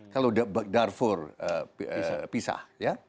kalau darfur pisah